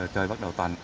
trời bắt đầu tàn